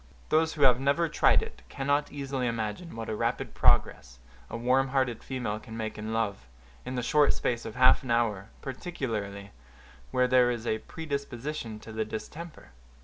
Those who have never tried it cannot easily imagine what a rapid progress a warm hearted female can make in love, in the short space of half an hour, particularly where there is a predisposition to the distemper.